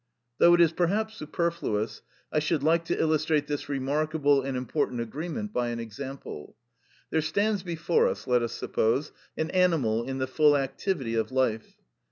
Though it is perhaps superfluous, I should like to illustrate this remarkable and important agreement by an example. There stands before us, let us suppose, an animal in the full activity of life.